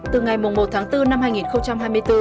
từ ngày một tháng bốn năm hai nghìn hai mươi bốn